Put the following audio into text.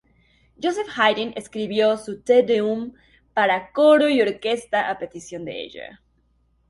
Joseph Haydn escribió su Te Deum para coro y orquesta a petición de ella.